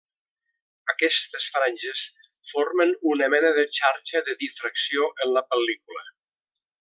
Aquestes franges formen una mena de xarxa de difracció en la pel·lícula.